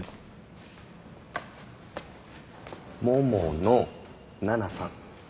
桃野奈々さん。